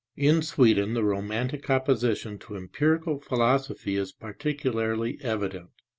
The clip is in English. In Sweden the romantic opposition to empirical philosophy is particularly evident.